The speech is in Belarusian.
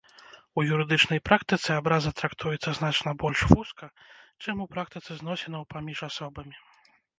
У юрыдычнай практыцы абраза трактуецца значна больш вузка, чым у практыцы зносінаў паміж асобамі.